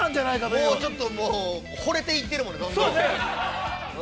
◆もう、ちょっともうほれていってるもんね、どんどん。